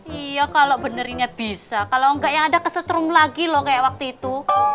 iya kalau benerinnya bisa kalau nggak yang ada kesetrum lagi loh kayak waktu itu